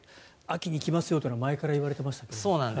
秋に来ますよというのは前から言われていますけれど。